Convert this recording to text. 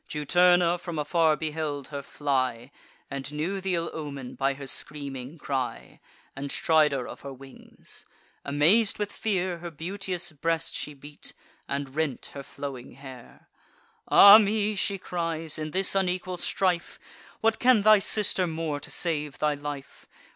Juturna from afar beheld her fly, And knew th' ill omen, by her screaming cry And stridor of her wings. Amaz'd with fear, Her beauteous breast she beat, and rent her flowing hair. "Ah me!" she cries, "in this unequal strife What can thy sister more to save thy life?